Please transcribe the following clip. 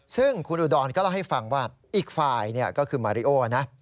ซึ่งคุณอุดรก็เล่าให้ฟังว่าอีกฝ่ายก็คือมาริโอนะ